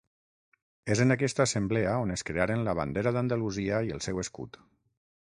És en aquesta assemblea on es crearen la bandera d'Andalusia i el seu escut.